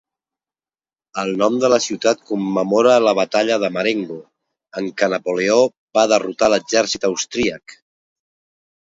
El nom de la ciutat commemora la batalla de Marengo, en què Napoleó va derrotar l'exèrcit austríac.